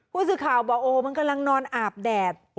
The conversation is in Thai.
ผู้สื่อข่าวบอกโอ้มันกำลังนอนอาบแดด